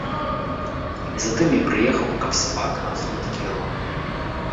Не за тым я прыехаў, каб сабака за лыткі рваў.